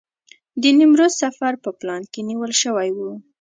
د نیمروز سفر په پلان کې نیول شوی و.